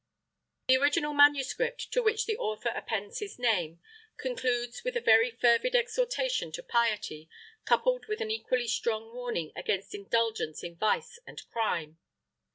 The original manuscript, to which the author appends his name, concludes with a very fervid exhortation to piety, coupled with an equally strong warning against indulgence in vice and crime.